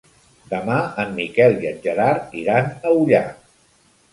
Demà en Miquel i en Gerard iran a Ullà.